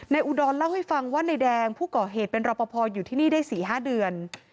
อุดรเล่าให้ฟังว่านายแดงผู้ก่อเหตุเป็นรอปภอยู่ที่นี่ได้๔๕เดือน